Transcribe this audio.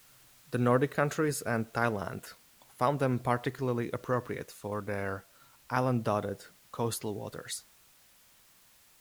The Nordic countries and Thailand found them particularly appropriate for their island-dotted coastal waters.